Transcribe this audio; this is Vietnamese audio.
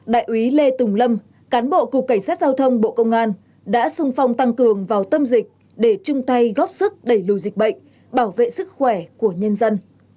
đại úy lê tùng lâm cán bộ cục cảnh sát giao thông bộ công an đã sung phong tăng cường vào tâm dịch để chung tay góp sức đẩy lùi dịch bệnh bảo vệ sức khỏe của nhân dân